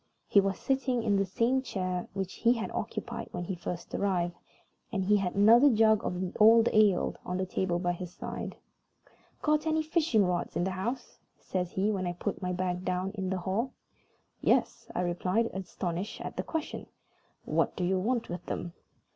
He was sitting in the same chair which he had occupied when he first arrived, and he had another jug of the old ale on the table by his side. "Got any fishing rods in the house?" says he, when I put my bag down in the hall. "Yes," I replied, astonished at the question. "What do you want with them?"